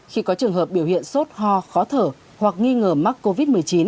khi có trường hợp biểu hiện sốt ho khó thở hoặc nghi ngờ mắc covid một mươi chín